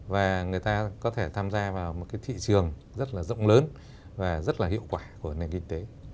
và người ta có thể tham gia vào một cái thị trường rất là rộng lớn và rất là hiệu quả của nền kinh tế